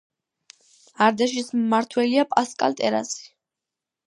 არდეშის მმართველია პასკალ ტერასი.